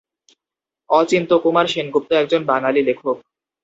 অচিন্ত্যকুমার সেনগুপ্ত একজন বাঙালি লেখক।